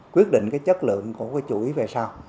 quyết định cái chất lượng của cái chuỗi về sao